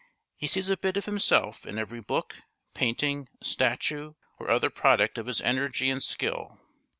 He sees a bit of himself in every book, painting, statue, or other product of his energy and skill.